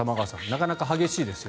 なかなか可愛いですよ。